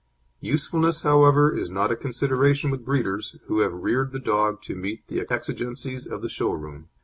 Usefulness, however, is not a consideration with breeders, who have reared the dog to meet the exigencies of the show ring.